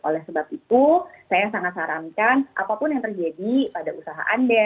oleh sebab itu saya sangat sarankan apapun yang terjadi pada usaha anda